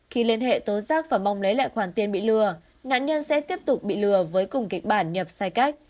khi liên hệ tố giác và mong lấy lại khoản tiền bị lừa nạn nhân sẽ tiếp tục bị lừa với cùng kịch bản nhập sai cách